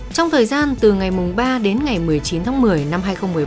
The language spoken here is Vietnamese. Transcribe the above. trong thời gian từ ba tháng một mươi chín tháng một mươi năm hai nghìn một mươi bảy